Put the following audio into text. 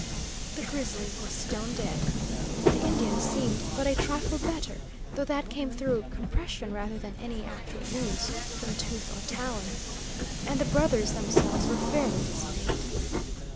The grizzly was stone dead. The Indian seemed but a trifle better, though that came through compression rather than any actual wounds from tooth or talon. And the brothers themselves were fairly dismayed.